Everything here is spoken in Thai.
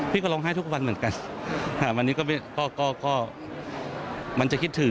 ร้องไห้ทุกวันเหมือนกันวันนี้ก็ก็มันจะคิดถึง